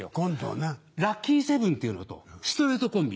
「ラッキー７」っていうのと「ストレートコンビ」。